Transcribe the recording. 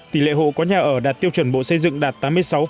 tỷ lệ hộ có nhà ở đạt tiêu chuẩn bộ xây dựng đạt tám mươi sáu một mươi ba